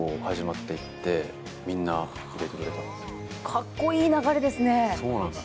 かっこいい流れですね。